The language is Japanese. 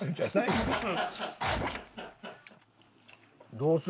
どうする？